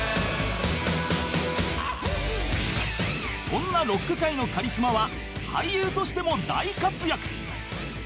そんなロック界のカリスマは俳優としても大活躍